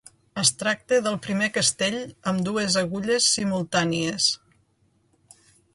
Es tracta del primer castell amb dues agulles simultànies.